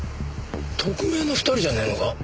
特命の２人じゃねえのか？